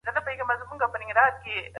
ما تاسي ته د یووالي او ورورګلوۍ پېغام واستوی.